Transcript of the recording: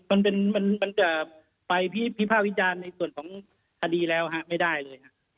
อ๋ออันนี้มันจะไปพิพาวิจารณ์ในส่วนของคดีแล้วไม่ได้เลย